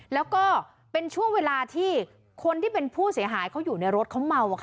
แล้วก็เป็นช่วงเวลาที่คนที่เป็นผู้เสียหายเขาอยู่ในรถเขาเมา